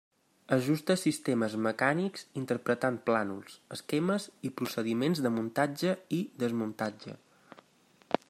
Ajusta sistemes mecànics, interpretant plànols, esquemes i procediments de muntatge i desmuntatge.